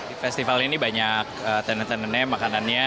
di festival ini banyak tenen tenennya makanannya